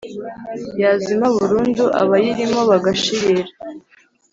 yazima burundu abayarimo bagashirira